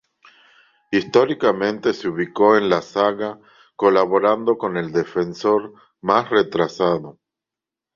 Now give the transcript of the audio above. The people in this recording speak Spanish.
Históricamente se ubicó en la zaga colaborando con el Defensor más retrasado.